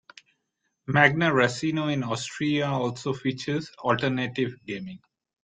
Magna Racino in Austria also features alternative gaming.